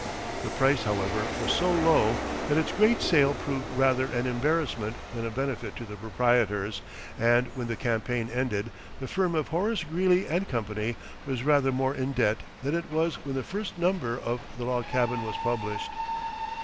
The price, however, was so low that its great sale proved rather an embarrassment than a benefit to the proprietors, and when the campaign ended, the firm of Horace Greeley & Co. was rather more in debt than it was when the first number of "The Log Cabin" was published.